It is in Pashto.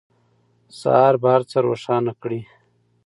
سهار به هر څه روښانه کړي.